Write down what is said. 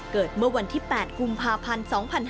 เกิดเมื่อวันที่๘กุมภาพันธ์๒๕๕๙